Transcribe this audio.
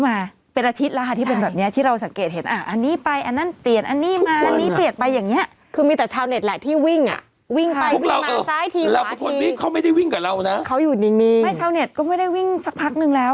ไม่ชาวเน็ตก็ไม่ได้วิ่งสักพักนึงแล้ว